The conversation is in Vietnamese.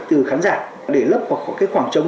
từ khán giả để lấp vào cái khoảng trống